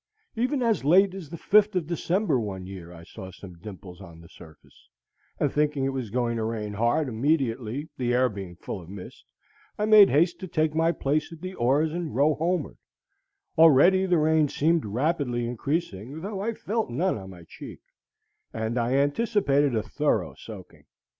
Even as late as the fifth of December, one year, I saw some dimples on the surface, and thinking it was going to rain hard immediately, the air being full of mist, I made haste to take my place at the oars and row homeward; already the rain seemed rapidly increasing, though I felt none on my cheek, and I anticipated a thorough soaking.